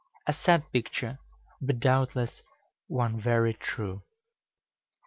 A sad picture, but doubtless one very true.